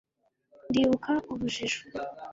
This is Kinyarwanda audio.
Ndibuka urujijo